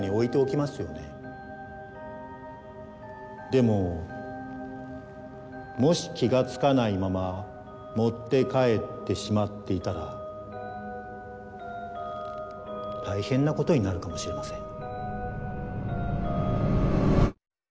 でももし気が付かないまま持って帰ってしまっていたら大変なことになるかもしれません。